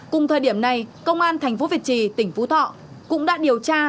cùng thời điểm này công an tp việt trì tỉnh phú thọ cũng đã điều tra